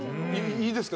いいですか？